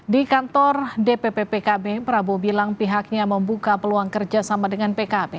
di kantor dpp pkb prabowo bilang pihaknya membuka peluang kerjasama dengan pkb